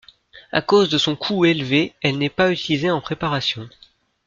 À cause de son coût élevé, elle n'est pas utilisée en préparation.